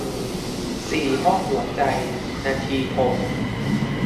สี่ห้องหัวใจ - นทีทม